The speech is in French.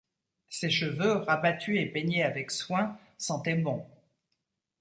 Ses cheveux, rabattus et peignés avec soin, sentaient bon.